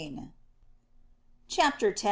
CHAPTER X.